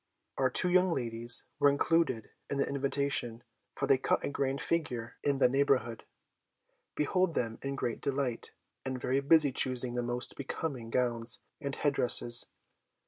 Our two young ladies were included in the invitation, for they cut a great figure in the neighbourhood. Behold them in great delight, and very busy choosing the most becoming gowns and head dresses.